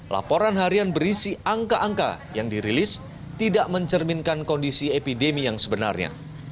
laporan harian berisi angka angka yang dirilis tidak mencerminkan kondisi epidemi yang sebenarnya